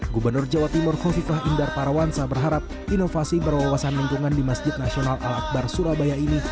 gubernur jawa timur hovifah indar parawansa berharap inovasi berwawasan lingkungan di masjid nasional al akbar surabaya ini